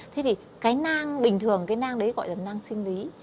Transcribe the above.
thế thì cái nang bình thường cái nang đấy gọi là nang sinh lý